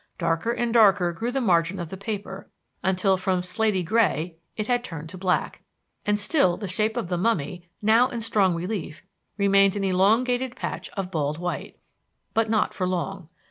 Darker and darker grew the margin of the paper until from slaty gray it had turned to black; and still the shape of the mummy, now in strong relief, remained an enlongated patch of bald white. But not for long.